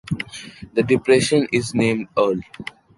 The depression is named Earl.